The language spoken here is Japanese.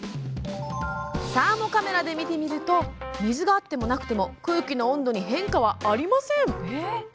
サーモカメラで見てみると水があってもなくても空気の温度に変化はありません。